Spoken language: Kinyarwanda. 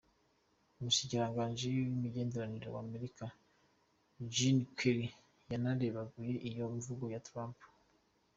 Umushikiranganji w'imigenderanire wa Amerika Jihn Kerry yaranebaguye iyo mvugo ya Trump.